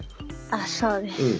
あそうです。